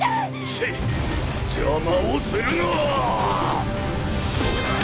チッ邪魔をするな！